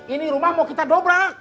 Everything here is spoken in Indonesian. ini rumah mau kita dobrak